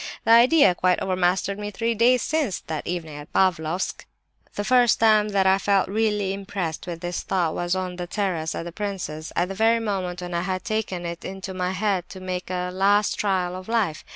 The idea quite overmastered me three days since, that evening at Pavlofsk. The first time that I felt really impressed with this thought was on the terrace at the prince's, at the very moment when I had taken it into my head to make a last trial of life.